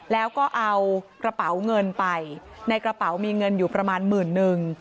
แล้วก็เอากระเป๋าเงินไปในกระเป๋ามีเงินอยู่ประมาณหมื่นนึง